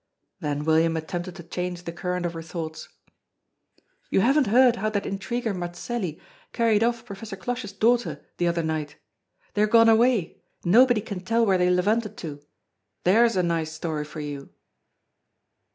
Then William attempted to change the current of her thoughts: "You haven't heard how that intriguer Mazelli carried off Professor Cloche's daughter the other night. They are gone away; nobody can tell where they levanted to. There's a nice story for you!"